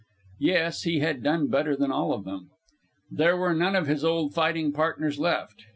Yes, he had done better than all of them. There were none of his old fighting partners left.